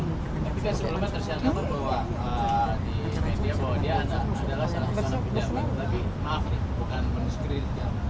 tapi kan sebelumnya tersiapkan bahwa di media bahwa dia anak anak pejabat